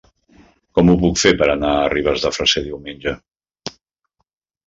Com ho puc fer per anar a Ribes de Freser diumenge?